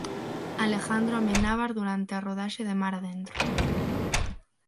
Alejandro Amenábar durante a rodaxe de Mar adentro.